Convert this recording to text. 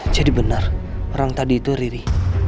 jadi benar orang tadi itu riri